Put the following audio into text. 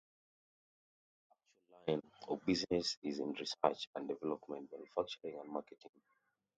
Uniden's actual line of business is in research and development, manufacturing and marketing.